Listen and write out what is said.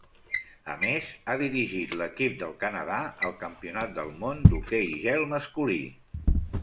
A més, ha dirigit l'equip del Canadà al Campionat del Món d'hoquei gel masculí.